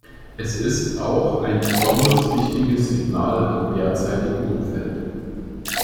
Es ist auch ein besonders wichtiges Signal im derzeitigen Umfeld.